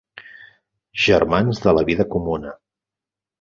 Germans de la vida comuna.